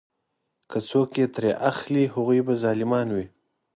که څوک یې ترې اخلي هغوی به ظالمان وي.